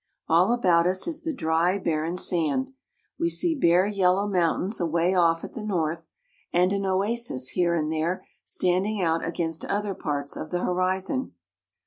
All about us is the dry, bar ren sand ; we see bare yellow mountains away off at the north, and an oasis, here and there, standing out against other parts of the horizon.